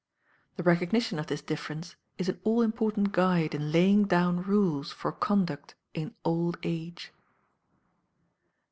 The recognition of this difference is an all important guide in laying down rules for conduct in old age.